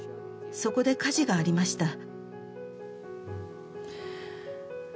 そこで火事がありました。